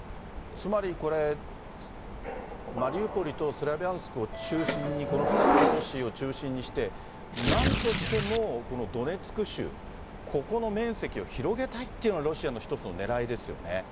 つまりこれ、マリウポリとスラビャンスクを中心にこの２つの都市を中心にして、なんとしてもこのドネツク州、この面積を広げたいというのが、そうですね。